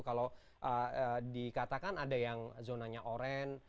kalau dikatakan ada yang zonanya oran